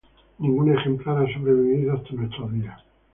Ningún ejemplar ha sobrevivido hasta nuestros días.